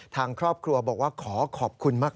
ทางครอบครัวบอกว่าขอขอบคุณมาก